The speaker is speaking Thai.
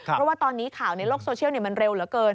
เพราะว่าตอนนี้ข่าวในโลกโซเชียลมันเร็วเหลือเกิน